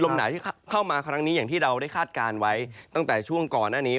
หนาวที่เข้ามาครั้งนี้อย่างที่เราได้คาดการณ์ไว้ตั้งแต่ช่วงก่อนหน้านี้